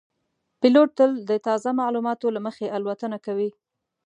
پیلوټ تل د تازه معلوماتو له مخې الوتنه کوي.